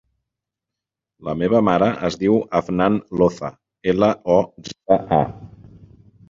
La meva mare es diu Afnan Loza: ela, o, zeta, a.